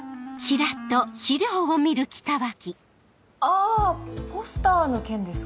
あポスターの件ですか。